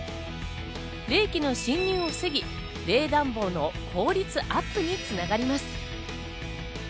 冷気の侵入を防ぎ、冷暖房の効率アップに繋がります。